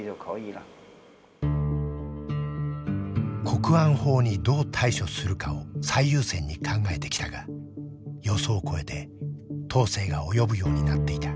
国安法にどう対処するかを最優先に考えてきたが予想を超えて統制が及ぶようになっていた。